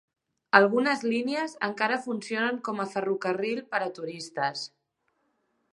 Algunes línies encara funcionen com a ferrocarril per a turistes.